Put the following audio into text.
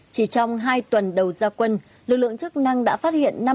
chỉ trong hai tuần đầu gia quân lực lượng chức năng đã phát hiện